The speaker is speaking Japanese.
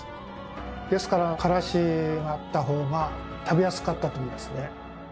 ですからからしがあったほうが食べやすかったと思いますね。